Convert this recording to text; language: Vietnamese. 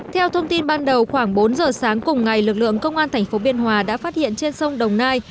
theo thông tin ban đầu khoảng bốn giờ sáng cùng ngày lực lượng công an tp biên hòa đã phát hiện trên sông đồng nai